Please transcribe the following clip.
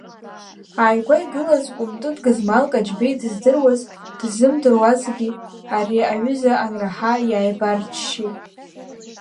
Ааигәа игылаз, Кәымтыт гызмал-каҷбеи дыздыруаз, дыззымдыруазгьы, ари аҩыза анраҳа, иааибарччеит.